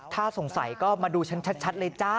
ถ้าสงสัยก็มาดูฉันชัดเลยจ้า